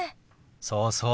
そうそう。